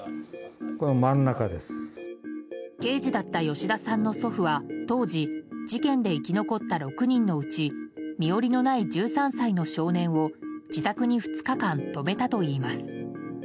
刑事だった吉田さんの祖父は当時事件で生き残った６人のうち身寄りのない１３歳の少年を自宅に２日間泊めたといいます。